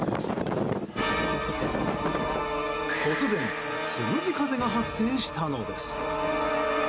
突然、つむじ風が発生したのです。